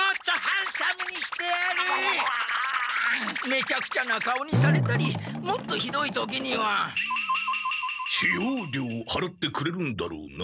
めちゃくちゃな顔にされたりもっとひどい時には。使用料をはらってくれるんだろうな？